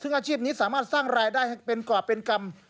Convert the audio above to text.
ซึ่งอาชีพนี้สามารถสร้างรายได้ให้เป็นกรอบเป็นกรรม